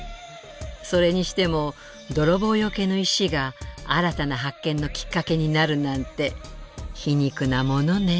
それにしても泥棒よけの石が新たな発見のきっかけになるなんて皮肉なものね。